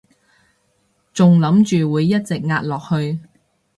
仲諗住會一直壓落去